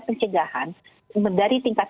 pencegahan dari tingkat